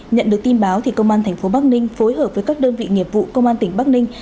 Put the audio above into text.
nhận được tin báo công an thành phố bắc ninh phối hợp với các đơn vị nghiệp vụ công an tỉnh bắc ninh